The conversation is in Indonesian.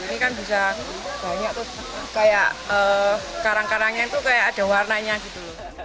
ini kan bisa banyak terus kayak karang karangnya itu kayak ada warnanya gitu